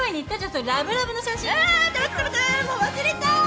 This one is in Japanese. もう忘れたい。